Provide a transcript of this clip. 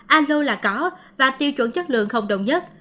alo là có và tiêu chuẩn chất lượng không đồng nhất